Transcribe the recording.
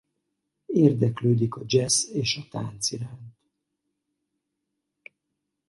Érdeklődik a jazz és a tánc iránt.